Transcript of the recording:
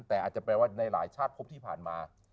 แต่อาจจะแปลว่าในหลายชาติพบที่ผ่านมา